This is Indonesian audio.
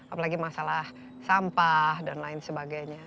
apalagi masalah sampah dan lain sebagainya